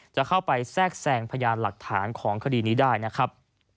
จะเข้าไปแทรกแซงพยานหลักฐานของคดีนี้ได้นะครับ